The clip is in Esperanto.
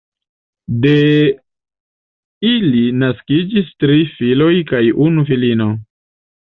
De ili naskiĝis tri filoj kaj unu filino.